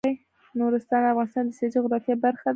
نورستان د افغانستان د سیاسي جغرافیه برخه ده.